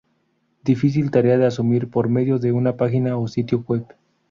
Difícil tarea de asumir por medio de una página o sitio Web.